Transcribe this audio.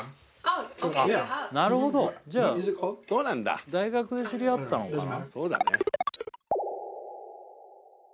なるほどじゃあ大学で知り合ったのかな？